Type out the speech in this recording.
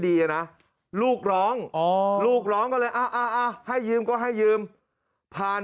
ดีนะลูกร้องลูกร้องก็เลยให้ยืมก็ให้ยืมผ่าน